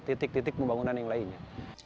titik titik pembangunan yang lainnya